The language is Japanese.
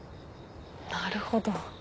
なるほど。